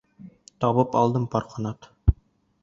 Табып алдым пар ҡанат.